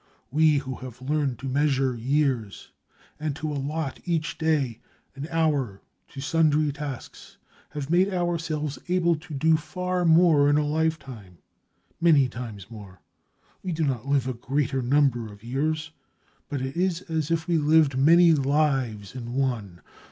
We, who have learned to measure years and to allot each day or hour to sundry tasks, have made ourselves able to do far more in a life time—many times more. We do not live a greater number of years, but it is as if we lived many lives in one.